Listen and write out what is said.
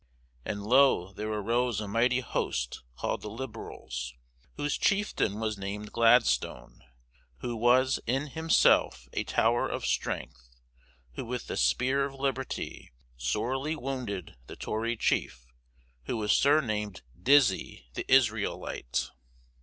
And lo there arose a mighty host called the Liberals, whose chieftain was named Gladstone, who was in himself a tower of strength, who with the Spear of Liberty sorely wounded the Tory chief, who was surnamed Dizzy the Isrælite.